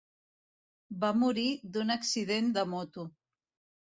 Va morir d'un accident de moto.